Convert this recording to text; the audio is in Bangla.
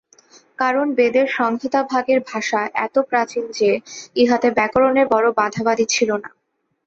কারণ বেদের সংহিতাভাগের ভাষা এত প্রাচীন যে, ইহাতে ব্যাকরণের বড় বাঁধাবাঁধি ছিল না।